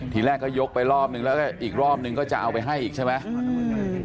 ทีแรกก็ยกไปรอบนึงแล้วก็อีกรอบนึงก็จะเอาไปให้อีกใช่ไหม